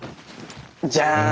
じゃん！